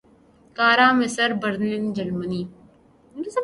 قاہرہ مصر برلن جرمنی